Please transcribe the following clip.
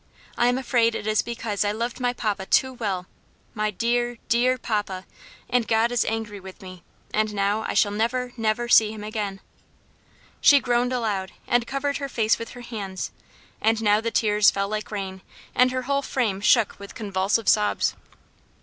I am afraid it is because I loved my papa too well, my dear, dear papa and God is angry with me and now I shall never, never see him again," She groaned aloud, and covered her face with her hands; and now the tears fell like rain, and her whole frame shook with convulsive sobs.